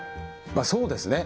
そうですね